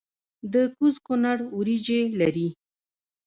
د کوز کونړ وریجې لري